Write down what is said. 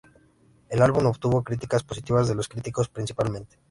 El álbum obtuvo críticas positivas de los críticos, principalmente.